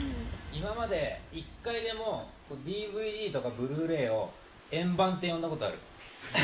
今まで１回でもＤＶＤとかブルーレイを円盤って呼んだことある？